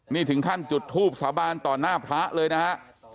นี่ถึงขั้นจุดทูบสาบานต่อหน้าพระเลยนะฮะ